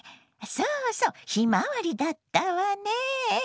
そうそう「ひまわり」だったわね。